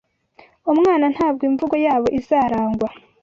umwana, ntabwo imvugo yabo izarangwa